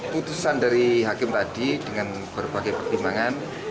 putusan dari hakim tadi dengan berbagai pertimbangan